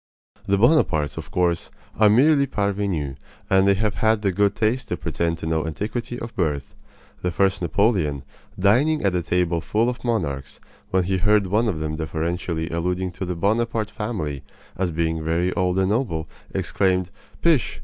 The Bonapartes, of course, are merely parvenus, and they have had the good taste to pretend to no antiquity of birth. The first Napoleon, dining at a table full of monarchs, when he heard one of them deferentially alluding to the Bonaparte family as being very old and noble, exclaimed: "Pish!